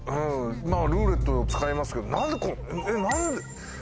まぁ「ルーレット」を使いますけど。